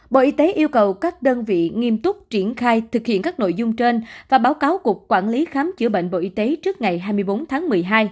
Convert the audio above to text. bộ y tế yêu cầu các đơn vị nghiêm túc triển khai thực hiện các nội dung trên và báo cáo cục quản lý khám chữa bệnh bộ y tế trước ngày hai mươi bốn tháng một mươi hai